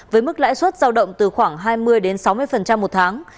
với mức lãi suất giao động từ khoảng hai mươi đến sáu mươi một tháng